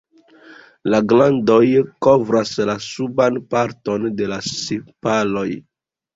La glandoj kovras la suban parton de la sepaloj.